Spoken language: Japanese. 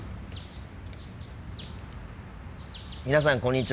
皆さんこんにちは。